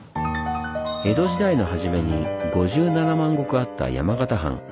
江戸時代の初めに５７万石あった山形藩。